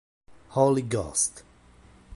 Holy Ghost!